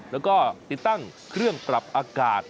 แล้วก็ติดตั้งเครื่องปรับอากาศ